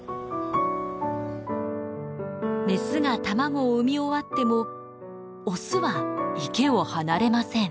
メスが卵を産み終わってもオスは池を離れません。